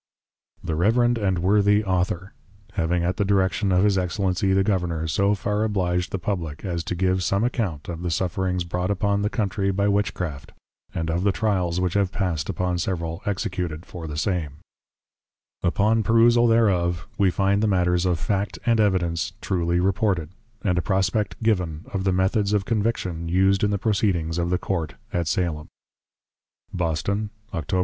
_The Reverend and Worthy Author, having at the Direction of His EXCELLENCY the Governour, so far Obliged the Publick, as to give some Account of the Sufferings brought upon the Countrey by +Witchcraft+; and of the Tryals which have passed upon several Executed for the Same:_ _Upon Perusal thereof, We find the Matters of Fact and Evidence, Truly reported. And a Prospect given, of the +Methods of Conviction+, used in the Proceedings of the Court at +Salem+_ Boston Octob.